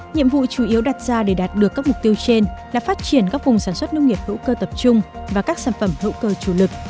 nhiệm vụ chủ yếu đặt ra để đạt được các mục tiêu trên là phát triển các vùng sản xuất nông nghiệp hữu cơ tập trung và các sản phẩm hữu cơ chủ lực